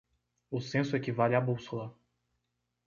O censo equivale à bússola